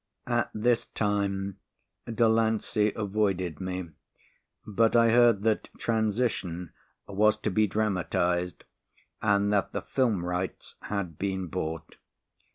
At this time, Delancey avoided me, but I heard that "Transition" was to be dramatised and that the film rights had been bought.